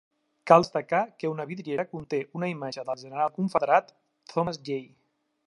Cal destacar que una vidriera conté una imatge del general confederat Thomas J.